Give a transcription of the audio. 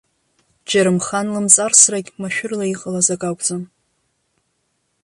Џьарымхан лымҵарсрагь машәырла иҟалаз ак акәӡам.